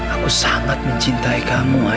aku sangat mencintai kamu